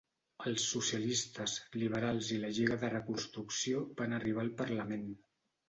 Els socialistes, liberals i la Lliga de la Reconstrucció van arribar al parlament.